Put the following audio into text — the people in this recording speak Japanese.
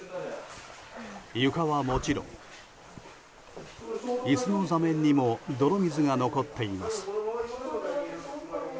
床はもちろん、椅子の座面にも泥水が残っています。